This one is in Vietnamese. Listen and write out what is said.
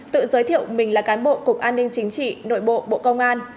tự giới thiệu mình là cán bộ cục an ninh chính trị nội bộ bộ công an